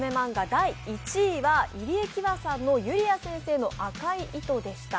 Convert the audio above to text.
第１位は入江喜和さんの「ゆりあ先生の赤い糸」でした。